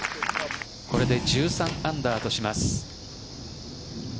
これで１３アンダーとします。